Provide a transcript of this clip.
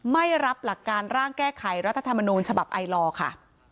ไม่รับร่างแก้ไขรัตธามานมฉบับไอลอค่ะ